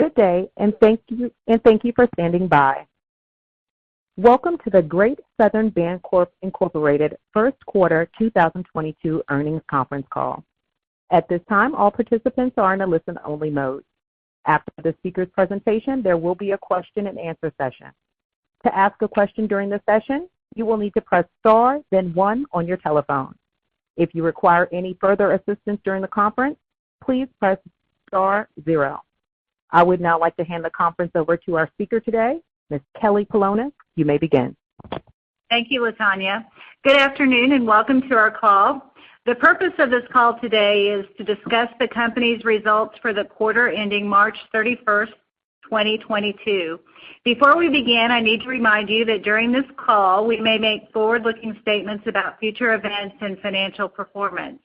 Good day, thank you for standing by. Welcome to the Great Southern Bancorp, Inc. Q1 2022 Earnings Conference Call. At this time, all participants are in a listen-only mode. After the speaker's presentation, there will be a question and answer session. To ask a question during the session, you will need to press star then 1 on your telephone. If you require any further assistance during the conference, please press star 0. I would now like to hand the conference over to our speaker today, Ms. Kelly Polonus. You may begin. Thank you, Latonya. Good afternoon, and welcome to our call. The purpose of this call today is to discuss the company's results for the quarter ending March 31, 2022. Before we begin, I need to remind you that during this call, we may make forward-looking statements about future events and financial performance.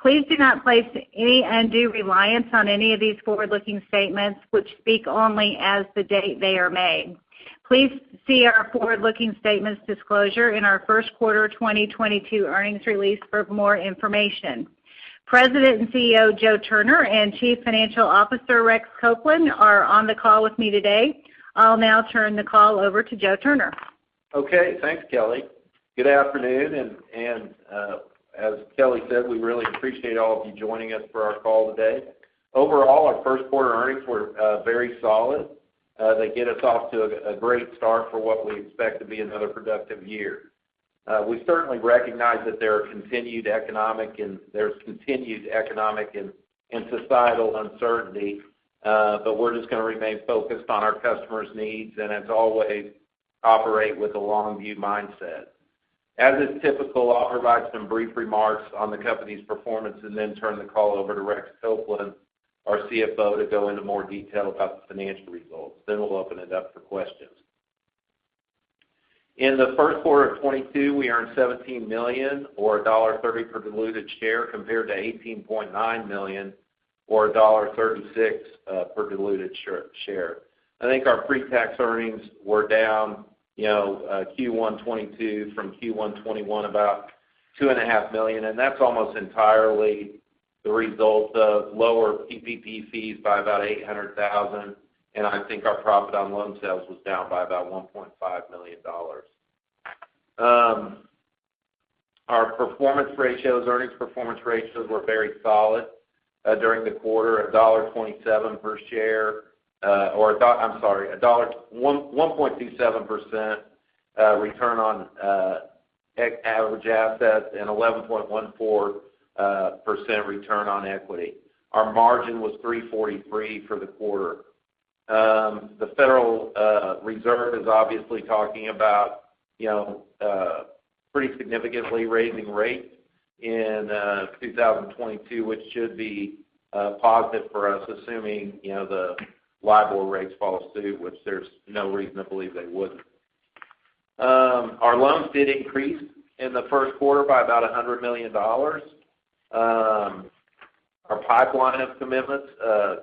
Please do not place any undue reliance on any of these forward-looking statements which speak only as of the date they are made. Please see our forward-looking statements disclosure in our Q1 2022 earnings release for more information. President and CEO Joe Turner and Chief Financial Officer Rex Copeland are on the call with me today. I'll now turn the call over to Joe Turner. Okay, thanks, Kelly. Good afternoon, as Kelly said, we really appreciate all of you joining us for our call today. Overall, our Q1 earnings were very solid. They get us off to a great start for what we expect to be another productive year. We certainly recognize that there is continued economic and societal uncertainty, but we're just gonna remain focused on our customers' needs, and as always, operate with a long view mindset. As is typical, I'll provide some brief remarks on the company's performance and then turn the call over to Rex Copeland, our CFO, to go into more detail about the financial results. Then we'll open it up for questions. In the Q1 of 2022, we earned $17 million or $1.30 per diluted share compared to $18.9 million or $1.36 per diluted share. I think our pre-tax earnings were down Q1 2022 from Q1 2021, about $2.5 million, and that's almost entirely the result of lower PPP fees by about $800,000, and I think our profit on loan sales was down by about $1.5 million. Our earnings performance ratios were very solid during the quarter, 1.27% return on average assets and 11.14% return on equity. Our margin was 3.43% for the quarter. The Federal Reserve is obviously talking about, you know, pretty significantly raising rates in 2022, which should be positive for us, assuming, you know, the liability rates follow suit, which there's no reason to believe they wouldn't. Our loans did increase in the Q1 by about $100 million. Our pipeline of commitments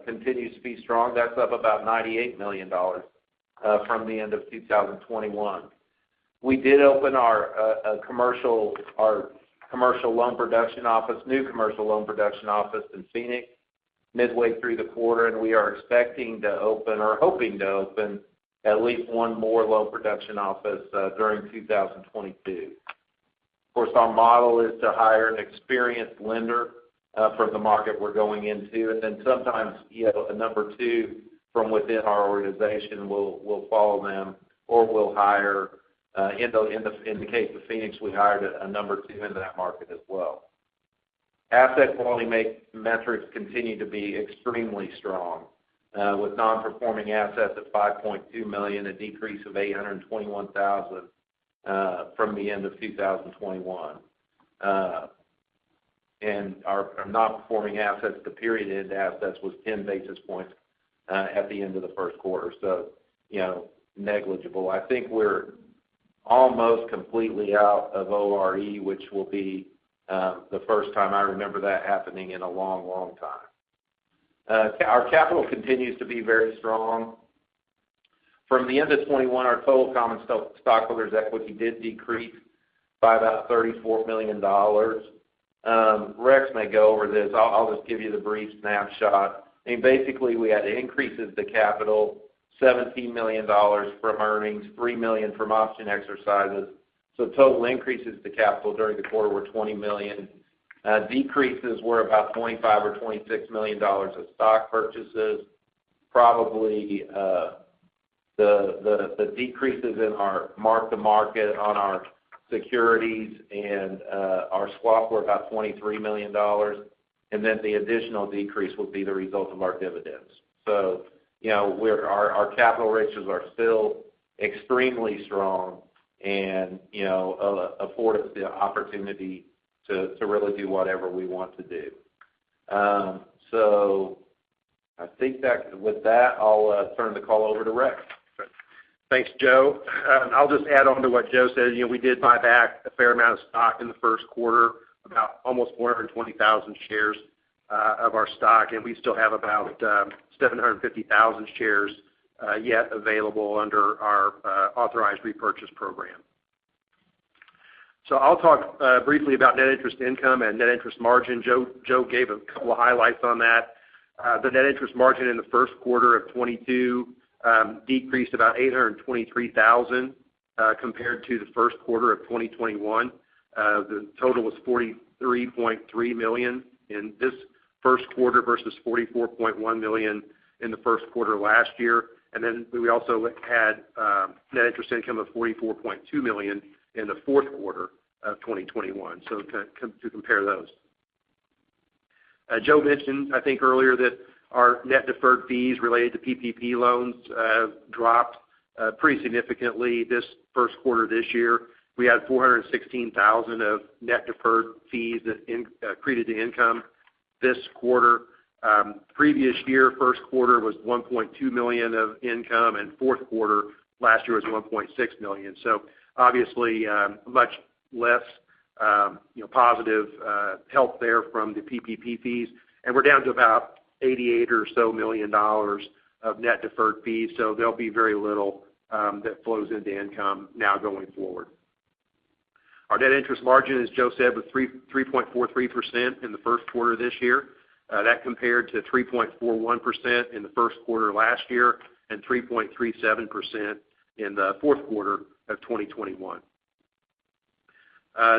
continues to be strong. That's up about $98 million from the end of 2021. We did open our new commercial loan production office in Phoenix midway through the quarter, and we are expecting to open or hoping to open at least one more loan production office during 2022. Of course, our model is to hire an experienced lender from the market we're going into. Then sometimes, you know, a number two from within our organization will follow them or we'll hire, in the case of Phoenix, we hired a number two into that market as well. Asset quality metrics continue to be extremely strong, with non-performing assets at $5.2 million, a decrease of $821,000, from the end of 2021. Our non-performing assets to period-end assets was 10 basis points, at the end of the Q1. You know, negligible. I think we're almost completely out of ORE, which will be the first time I remember that happening in a long, long time. Our capital continues to be very strong. From the end of 2021, our total common stock, stockholders equity did decrease by about $34 million. Rex may go over this. I'll just give you the brief snapshot. I mean, basically, we had increases to capital, $17 million from earnings, $3 million from option exercises. Total increases to capital during the quarter were $20 million. Decreases were about $25 or $26 million of stock purchases. Probably, the decreases in our mark-to-market on our securities and our swap were about $23 million. Then the additional decrease would be the result of our dividends. You know, our capital ratios are still extremely strong and, you know, afford us the opportunity to really do whatever we want to do. I think that with that, I'll turn the call over to Rex. Thanks, Joe. I'll just add on to what Joe said. You know, we did buy back a fair amount of stock in the Q1, about almost 420,000 shares of our stock, and we still have about 750,000 shares yet available under our authorized repurchase program. I'll talk briefly about net interest income and net interest margin. Joe gave a couple of highlights on that. The net interest income in the Q1 of 2022 decreased about $823,000 compared to the Q1 of 2021. The total was $43.3 million in this Q1 versus $44.1 million in the Q1 last year. Then we also had net interest income of $44.2 million in the Q4 of 2021, to compare those. Joe mentioned, I think earlier that our net deferred fees related to PPP loans dropped pretty significantly this Q1 this year. We had $416,000 of net deferred fees that accreted to income this quarter. Previous year, Q1 was $1.2 million of income, and Q4 last year was $1.6 million. Obviously, much less positive help there from the PPP fees. We're down to about $88 million or so of net deferred fees, so there'll be very little that flows into income now going forward. Our net interest margin, as Joe said, was 3.43% in the Q1 this year. That compared to 3.41% in the Q1 last year, and 3.37% in the Q4 of 2021.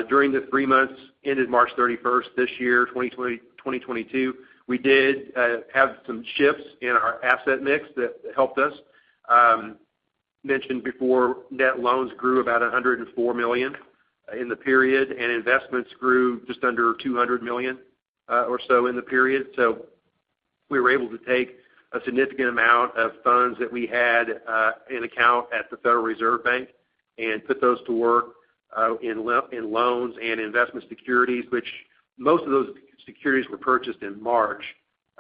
During the three months ended March 31 this year, 2022, we did have some shifts in our asset mix that helped us. Mentioned before, net loans grew about $104 million in the period, and investments grew just under $200 million, or so in the period. We were able to take a significant amount of funds that we had in account at the Federal Reserve Bank and put those to work in loans and investment securities, which most of those securities were purchased in March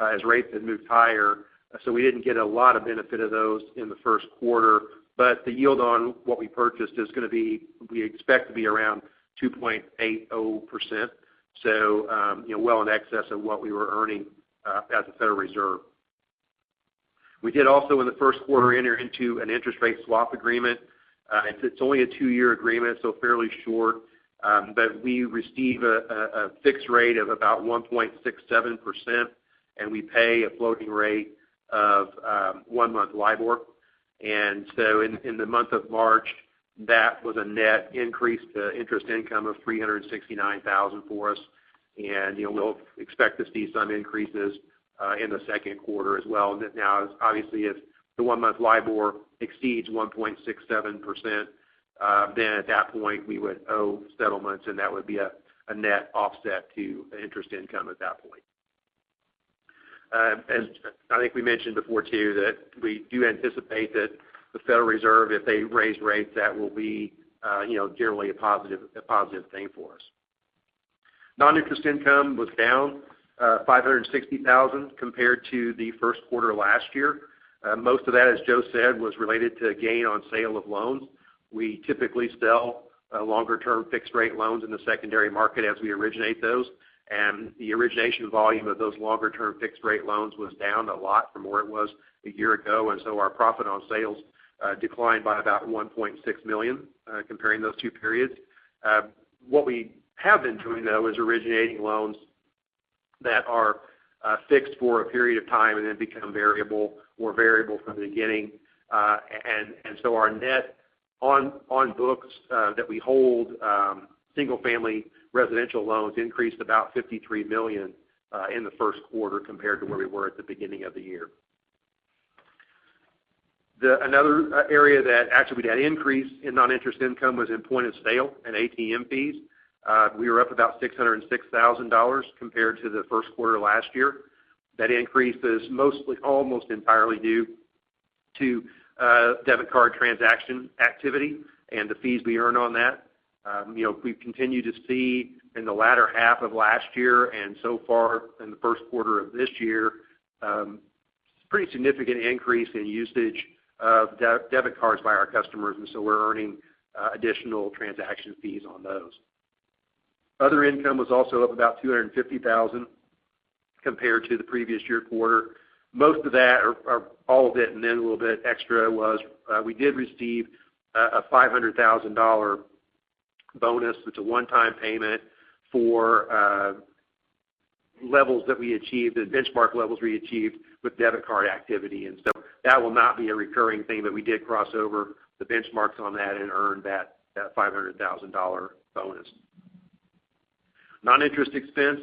as rates had moved higher. We didn't get a lot of benefit of those in the Q1. The yield on what we purchased is gonna be, we expect to be around 2.80%. Well in excess of what we were earning at the Federal Reserve. We did also in the Q1 enter into an interest rate swap agreement. It's only a 2-year agreement, so fairly short. We receive a fixed rate of about 1.67%, and we pay a floating rate of one-month LIBOR. In the month of March, that was a net increase to interest income of $369,000 for us. You know, we'll expect to see some increases in the Q2 as well. Now, obviously, if the one-month LIBOR exceeds 1.67%, then at that point, we would owe settlements, and that would be a net offset to interest income at that point. As I think we mentioned before, too, we do anticipate that the Federal Reserve, if they raise rates, that will be, you know, generally a positive thing for us. Non-interest income was down $560,000 compared to the Q1 last year. Most of that, as Joe said, was related to gain on sale of loans. We typically sell longer-term fixed-rate loans in the secondary market as we originate those. The origination volume of those longer-term fixed-rate loans was down a lot from where it was a year ago, and so our profit on sales declined by about $1.6 million comparing those two periods. What we have been doing, though, is originating loans that are fixed for a period of time and then become variable or variable from the beginning. Our net on books that we hold single-family residential loans increased about $53 million in the Q1 compared to where we were at the beginning of the year. Another area that actually we had increase in non-interest income was in point-of-sale and ATM fees. We were up about $606,000 compared to the Q1 last year. That increase is mostly, almost entirely due to debit card transaction activity and the fees we earn on that. You know, we've continued to see in the latter half of last year and so far in the Q1 of this year pretty significant increase in usage of debit cards by our customers, and so we're earning additional transaction fees on those. Other income was also up about $250,000 compared to the previous year quarter. Most of that, or all of it and then a little bit extra was, we did receive a $500,000 bonus. It's a one-time payment for levels that we achieved, the benchmark levels we achieved with debit card activity, and so that will not be a recurring thing. We did cross over the benchmarks on that and earn that $500,000 bonus. Non-interest expense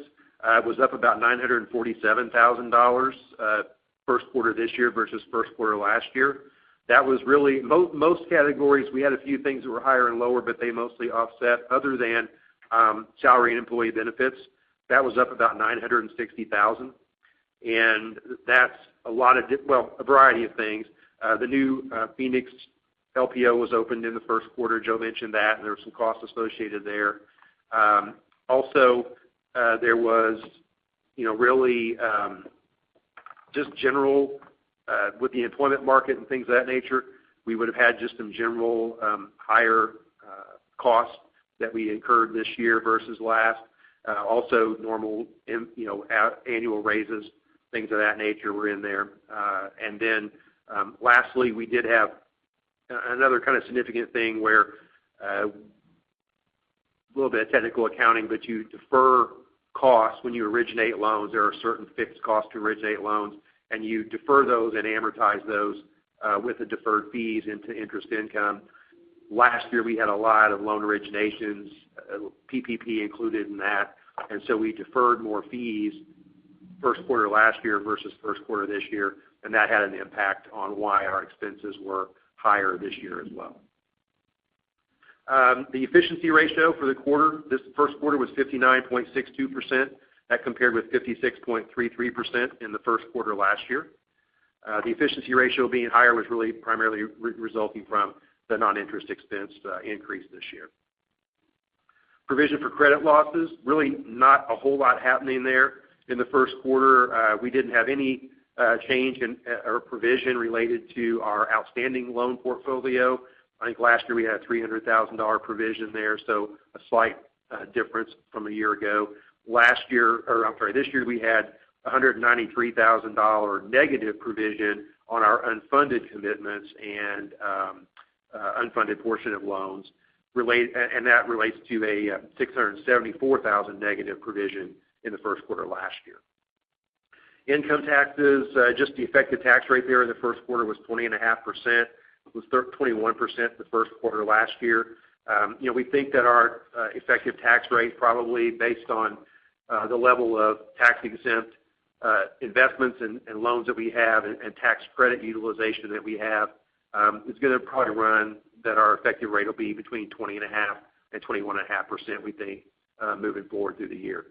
was up about $947,000 Q1 this year versus Q1 last year. That was really most categories, we had a few things that were higher and lower, but they mostly offset other than salary and employee benefits. That was up about $960,000. That's a lot of well, a variety of things. The new Phoenix LPO was opened in the Q1. Joe mentioned that, and there were some costs associated there. Also, there was, you know, really, just general, with the employment market and things of that nature, we would've had just some general, higher, costs that we incurred this year versus last. Also normal you know, annual raises, things of that nature were in there. Then, lastly, we did have another kind of significant thing where, a little bit of technical accounting, but you defer costs when you originate loans. There are certain fixed costs to originate loans, and you defer those and amortize those, with the deferred fees into interest income. Last year, we had a lot of loan originations, PPP included in that. We deferred more fees Q1 last year versus Q1 this year, and that had an impact on why our expenses were higher this year as well. The efficiency ratio for the quarter, this Q1 was 59.62%. That compared with 56.33% in the Q1 last year. The efficiency ratio being higher was really primarily resulting from the non-interest expense increase this year. Provision for credit losses, really not a whole lot happening there. In the Q1, we didn't have any change in or provision related to our outstanding loan portfolio. I think last year, we had $300,000 provision there, so a slight difference from a year ago. Last year, or I'm sorry, this year, we had a $193,000 negative provision on our unfunded commitments and unfunded portion of loans and that relates to a $674,000 negative provision in the Q1 last year. Income taxes, just the effective tax rate there in the Q1 was 20.5%. It was 21% the Q1 last year. You know, we think that our effective tax rate probably based on the level of tax-exempt investments and loans that we have and tax credit utilization that we have is gonna probably run at our effective rate will be between 20.5% and 21.5%, we think, moving forward through the year.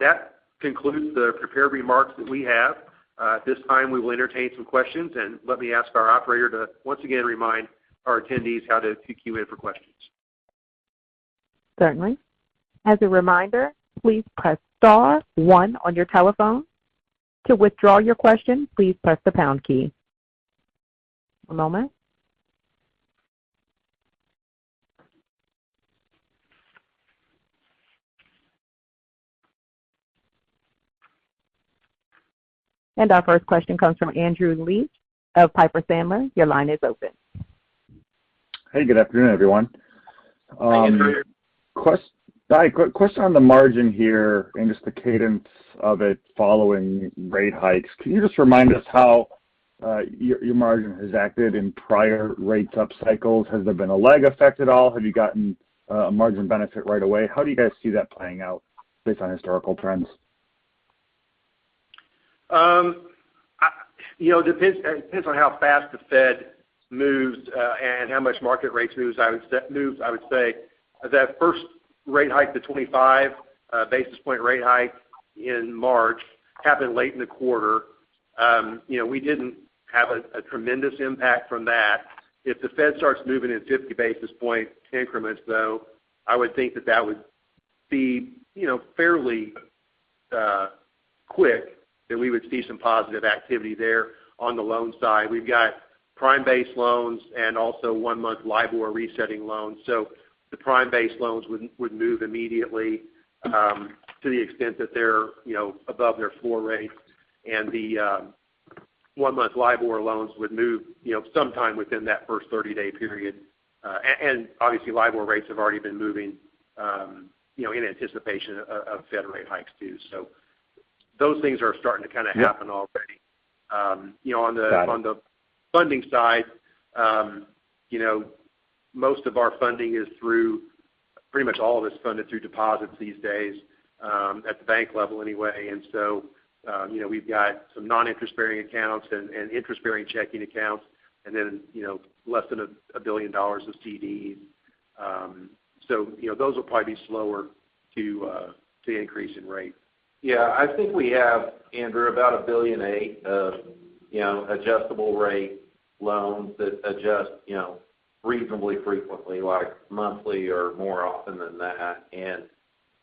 That concludes the prepared remarks that we have. At this time, we will entertain some questions, and let me ask our operator to once again remind our attendees how to queue in for questions. Certainly. As a reminder, please press star one on your telephone. To withdraw your question, please press the pound key. One moment. Our first question comes from Andrew Liesch of Piper Sandler. Your line is open. Hey, good afternoon, everyone. Andrew. Question on the margin here and just the cadence of it following rate hikes. Can you just remind us how your margin has acted in prior rate up cycles? Has there been a lag effect at all? Have you gotten a margin benefit right away? How do you guys see that playing out based on historical trends? You know, it depends on how fast the Fed moves and how much market rates move, I would say. That first rate hike, the 25 basis point rate hike in March, happened late in the quarter. You know, we didn't have a tremendous impact from that. If the Fed starts moving in 50 basis point increments, though, I would think that would be fairly quick that we would see some positive activity there on the loan side. We've got prime-based loans and also 1-month LIBOR resetting loans. So the prime-based loans would move immediately to the extent that they're above their floor rates. The 1-month LIBOR loans would move sometime within that first 30-day period. Obviously, LIBOR rates have already been moving, you know, in anticipation of Fed rate hikes too. Those things are starting to kinda happen already. Yeah. You know, on the. Got it. On the funding side, you know, most of our funding is through pretty much all of it is funded through deposits these days, at the bank level anyway. You know, we've got some non-interest bearing accounts and interest bearing checking accounts, and then, you know, less than $1 billion of CDs. You know, those will probably be slower to increase in rate. Yeah. I think we have, Andrew, about $1.8 billion of adjustable rate loans that adjust, you know, reasonably frequently, like monthly or more often than that.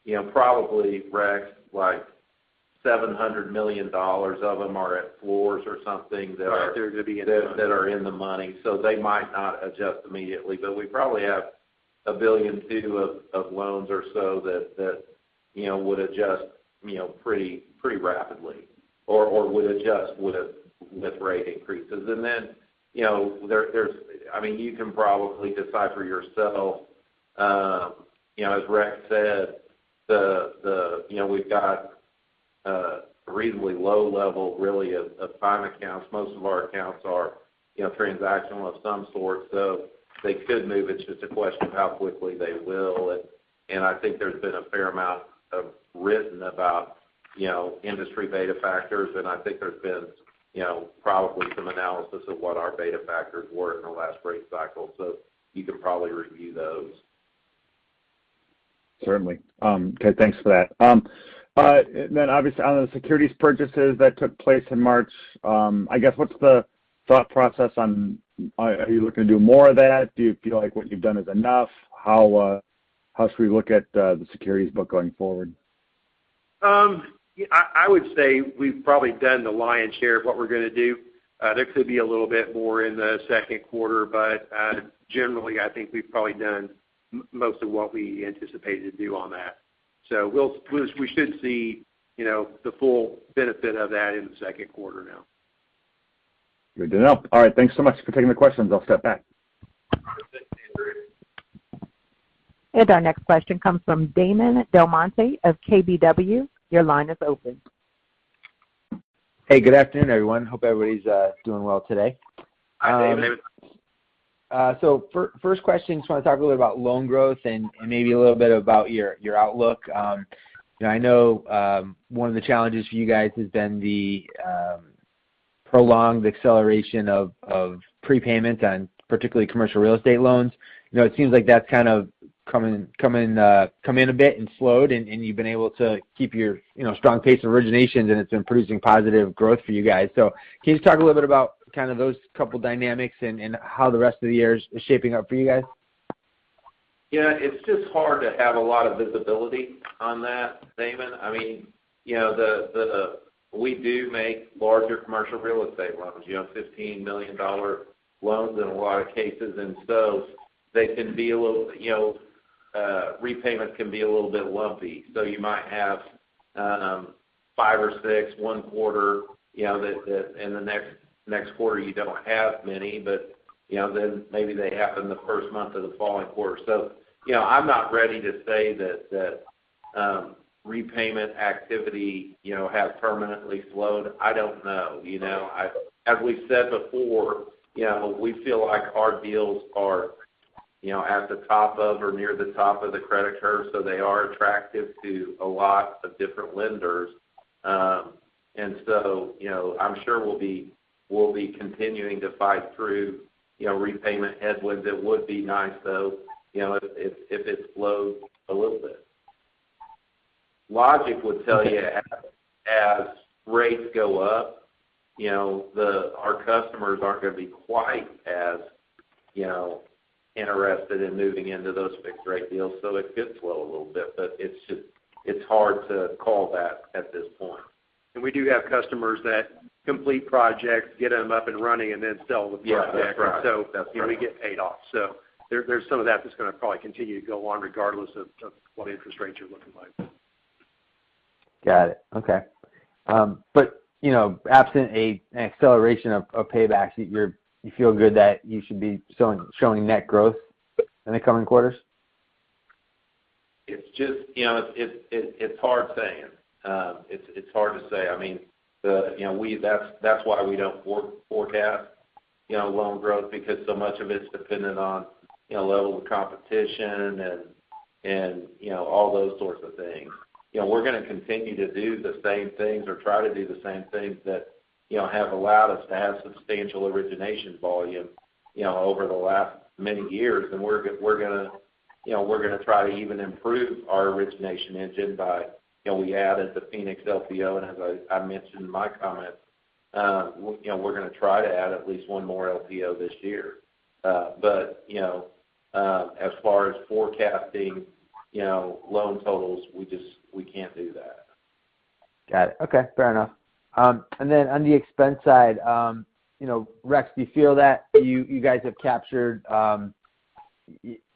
You know, probably, Rex, like $700 million of them are at floors or something that are Right. They're gonna be in the money. that are in the money. They might not adjust immediately. We probably have $1.2 billion of loans or so that you know would adjust you know pretty rapidly or would adjust with rate increases. Then, you know, there's I mean, you can probably decipher yourself. You know, as Rex said, the you know, we've got a reasonably low level really of prime accounts. Most of our accounts are, you know, transactional of some sort, so they could move. It's just a question of how quickly they will. I think there's been a fair amount written about, you know, industry beta factors, and I think there's been, you know, probably some analysis of what our beta factors were in the last rate cycle. You can probably review those. Certainly. Okay, thanks for that. Obviously on the securities purchases that took place in March, I guess, what's the thought process on, are you looking to do more of that? Do you feel like what you've done is enough? How should we look at the securities book going forward? I would say we've probably done the lion's share of what we're gonna do. There could be a little bit more in the second quarter, but generally, I think we've probably done most of what we anticipated to do on that. We should see, you know, the full benefit of that in the second quarter now. Good to know. All right. Thanks so much for taking the questions. I'll step back. Our next question comes from Damon DelMonte of KBW. Your line is open. Hey, good afternoon, everyone. Hope everybody's doing well today. Hi, Damon. First question, just wanna talk a little about loan growth and maybe a little bit about your outlook. You know, I know, one of the challenges for you guys has been the prolonged acceleration of prepayment on particularly commercial real estate loans. You know, it seems like that's kind of coming in a bit and slowed, and you've been able to keep your strong pace of originations, and it's been producing positive growth for you guys. Can you just talk a little bit about kind of those couple dynamics and how the rest of the year is shaping up for you guys? Yeah. It's just hard to have a lot of visibility on that, Damon. I mean, you know, we do make larger commercial real estate loans, you know, $15 million loans in a lot of cases, and so they can be a little. You know, repayment can be a little bit lumpy. You might have five or six in one quarter, you know, the next quarter you don't have many, but you know, then maybe they happen the first month of the following quarter. You know, I'm not ready to say that repayment activity, you know, has permanently slowed. I don't know, you know. As we've said before, you know, we feel like our deals are, you know, at the top of or near the top of the credit curve, so they are attractive to a lot of different lenders. I'm sure we'll be continuing to fight through, you know, repayment headwinds. It would be nice, though, you know, if it slowed a little bit. Logic would tell you as rates go up, you know, our customers aren't gonna be quite as, you know, interested in moving into those fixed rate deals, so it could slow a little bit. It's just hard to call that at this point. We do have customers that complete projects, get them up and running, and then sell the project. Yeah. That's right. So. That's right. You know, we get paid off. There, there's some of that that's gonna probably continue to go on regardless of what interest rates are looking like. Got it. Okay. You know, absent an acceleration of paybacks, you feel good that you should be showing net growth in the coming quarters? It's hard to say. I mean, you know, that's why we don't forecast, you know, loan growth because so much of it's dependent on, you know, level of competition and, you know, all those sorts of things. You know, we're gonna continue to do the same things or try to do the same things that, you know, have allowed us to have substantial origination volume, you know, over the last many years. We're gonna, you know, try to even improve our origination engine by, you know, we added the Phoenix LPO, and as I mentioned in my comment, you know, we're gonna try to add at least one more LPO this year. You know, as far as forecasting, you know, loan totals, we just can't do that. Got it. Okay. Fair enough. On the expense side, you know, Rex, do you feel that you guys have captured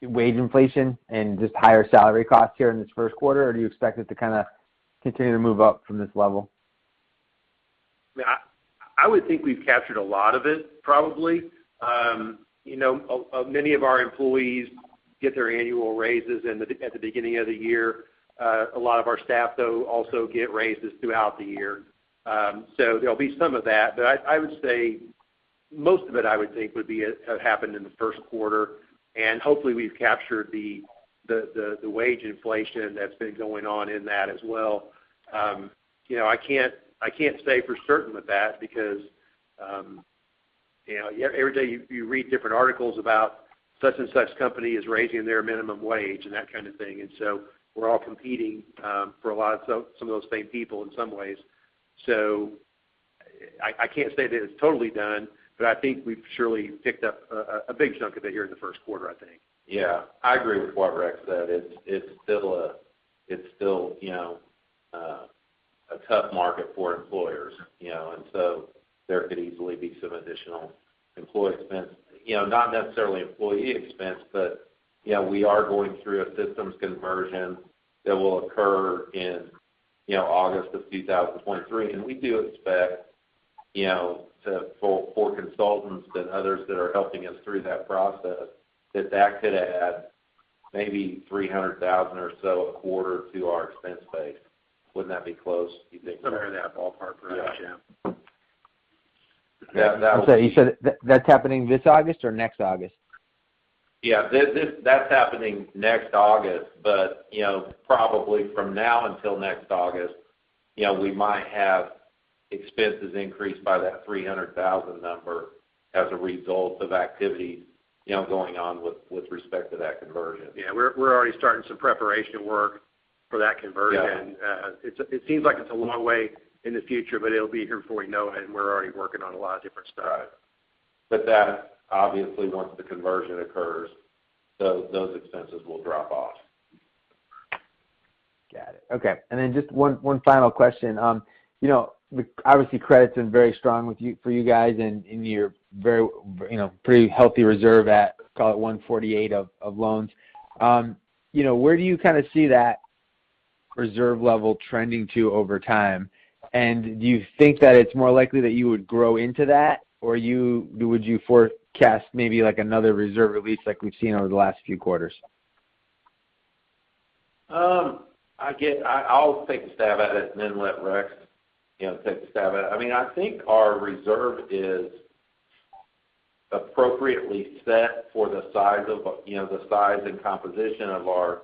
wage inflation and just higher salary costs here in this first quarter? Or do you expect it to kinda continue to move up from this level? Yeah. I would think we've captured a lot of it probably. You know, many of our employees get their annual raises at the beginning of the year. A lot of our staff, though, also get raises throughout the year. There'll be some of that. I would say most of it, I would think would be happened in the first quarter. Hopefully we've captured the wage inflation that's been going on in that as well. You know, I can't say for certain with that because you know, every day you read different articles about such and such company is raising their minimum wage and that kind of thing. We're all competing for a lot of some of those same people in some ways. I can't say that it's totally done, but I think we've surely picked up a big chunk of it here in the first quarter, I think. Yeah. I agree with what Rex said. It's still, you know, a tough market for employers, you know. There could easily be some additional employee expense, you know, not necessarily employee expense, but, you know, we are going through a systems conversion that will occur in, you know, August of 2023. We do expect, you know, to pull 4 consultants and others that are helping us through that process, that could add maybe $300,000 or so a quarter to our expense base. Wouldn't that be close, you think, Rex? Somewhere in that ballpark range, yeah. Yeah. I'm sorry. You said that's happening this August or next August? Yeah. That's happening next August, but you know, probably from now until next August, you know, we might have expenses increased by that $300,000 number as a result of activity, you know, going on with respect to that conversion. Yeah. We're already starting some preparation work for that conversion. Yeah. It seems like it's a long way in the future, but it'll be here before we know it, and we're already working on a lot of different stuff. Right. That obviously, once the conversion occurs, those expenses will drop off. Got it. Okay. Just one final question. You know, obviously credit's been very strong for you guys and in your very, you know, pretty healthy reserve at, call it 1.48% of loans. You know, where do you kind of see that reserve level trending to over time? Do you think that it's more likely that you would grow into that? Or would you forecast maybe like another reserve release like we've seen over the last few quarters? I'll take a stab at it and then let Rex, you know, take a stab at it. I mean, I think our reserve is appropriately set for the size and composition of our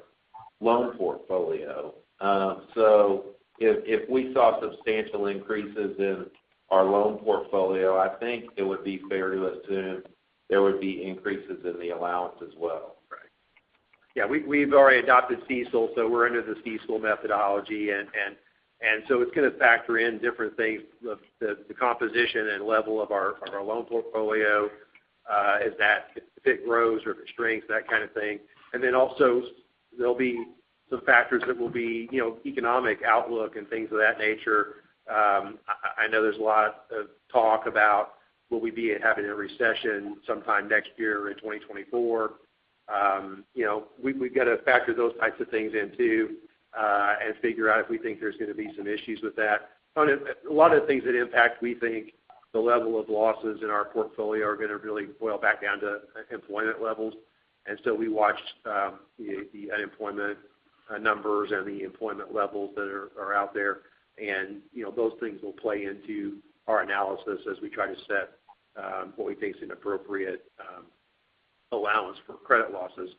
loan portfolio. If we saw substantial increases in our loan portfolio, I think it would be fair to assume there would be increases in the allowance as well. Right. Yeah, we've already adopted CECL, so we're under the CECL methodology and so it's gonna factor in different things, the composition and level of our loan portfolio, as that if it grows or if it shrinks, that kind of thing. Then also there'll be some factors that will be, you know, economic outlook and things of that nature. I know there's a lot of talk about will we be having a recession sometime next year in 2024. You know, we've got to factor those types of things in too, and figure out if we think there's going to be some issues with that. A lot of the things that impact, we think the level of losses in our portfolio are going to really boil back down to employment levels. We watched the unemployment numbers and the employment levels that are out there. You know, those things will play into our analysis as we try to set what we think is an appropriate allowance for credit losses.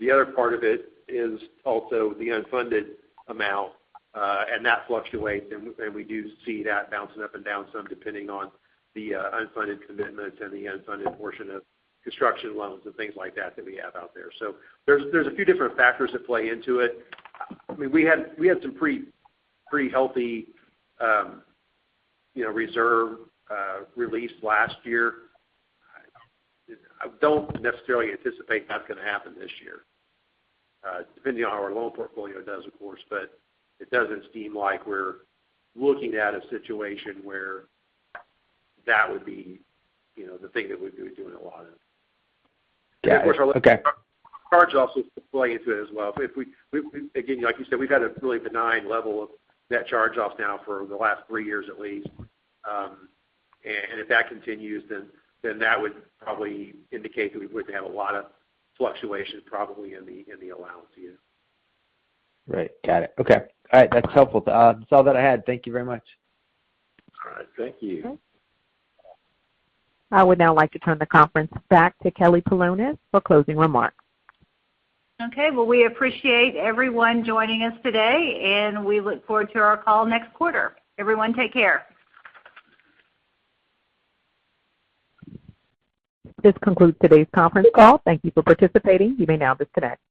The other part of it is also the unfunded amount and that fluctuates, and we do see that bouncing up and down some depending on the unfunded commitments and the unfunded portion of construction loans and things like that that we have out there. There's a few different factors that play into it. I mean, we had some pretty healthy, you know, reserve release last year. I don't necessarily anticipate that's going to happen this year, depending on how our loan portfolio does, of course, but it doesn't seem like we're looking at a situation where that would be, you know, the thing that we'd be doing a lot of. Got it. Okay. Charge-offs play into it as well. Again, like you said, we've had a really benign level of net charge-offs now for the last three years at least. If that continues, then that would probably indicate that we wouldn't have a lot of fluctuation probably in the allowance either. Right. Got it. Okay. All right. That's helpful. That's all that I had. Thank you very much. All right. Thank you. I would now like to turn the conference back to Kelly Polonus for closing remarks. Okay. Well, we appreciate everyone joining us today, and we look forward to our call next quarter. Everyone, take care. This concludes today's conference call. Thank you for participating. You may now disconnect.